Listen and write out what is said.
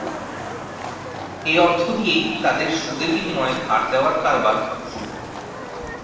এ অর্থ দিয়েই তাদের সুদের বিনিময়ে ধার দেওয়ার কারবার শুরু হয়।